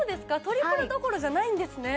トリプルどころじゃないんですね